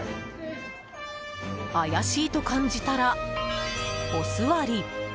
怪しいと感じたら、おすわり。